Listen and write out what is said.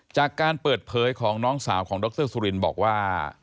จากการเปิดเผยของน้องสาวของดรสุรินบอกว่า